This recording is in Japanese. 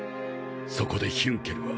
そこでヒュンケルは。